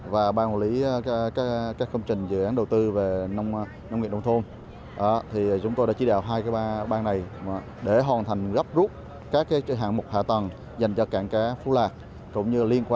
và ban quản lý các công trình dự án dân dụng công nghiệp